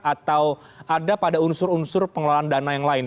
atau ada pada unsur unsur pengelolaan dana yang lain